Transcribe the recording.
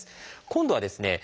今度はですね